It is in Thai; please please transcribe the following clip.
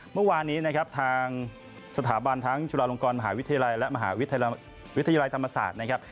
เมื่อวานนี้นะครับทางสถาบันทั้งจุฬาลงกรมหาวิทยาลัยและมหาวิทยาลัยธรรมศาสตร์นะครับ